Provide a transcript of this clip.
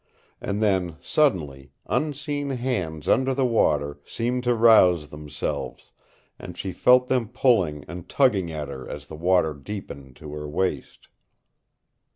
And then, suddenly, unseen hands under the water seemed to rouse themselves, and she felt them pulling and tugging at her as the water deepened to her waist.